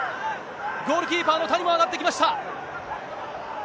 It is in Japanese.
ゴールキーパーの谷も上がってきました。